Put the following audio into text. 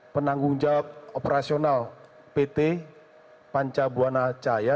penanggung jawab operasional pt panca buana cahaya